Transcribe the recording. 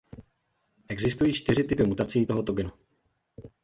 Existují čtyři typy mutací tohoto genu.